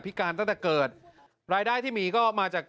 การตั้งแต่เกิดรายได้ที่มีก็มาจาก